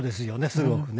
すごくね。